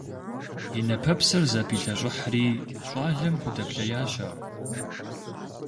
И нэпэпсыр зэпилъэщӀыхьри, щӀалэм худэплъеящ ар.